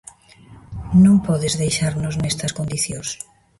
Non podes deixarnos nestas condicións.